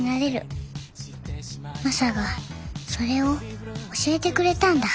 マサがそれを教えてくれたんだ。